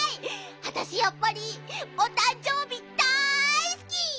あたしやっぱりおたんじょうびだいすき！